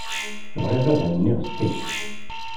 Bɣiɣ ad henniɣ seg-s.